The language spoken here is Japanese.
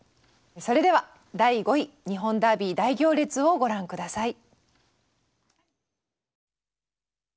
それでは第５位「日本ダービー大行列」をご覧下さい。